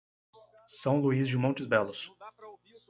São Luís de Montes Belos